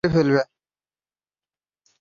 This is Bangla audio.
আমাকেও মেরে ফেলবে?